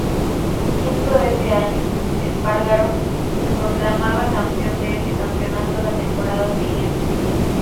Quinto ese año, Espargaró se proclamaba campeón de ese campeonato la temporada siguiente.